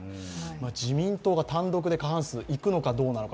自民党が単独で過半数いくのかどうなのか